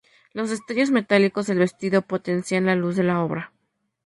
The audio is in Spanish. Los destellos metálicos del vestido potencian la luz de la obra.